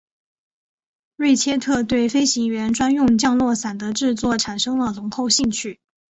瑞切特对飞行员专用降落伞的制作产生了浓厚兴趣。